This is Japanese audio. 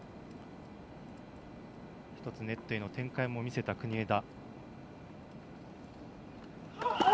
ネットへの展開も見せた国枝。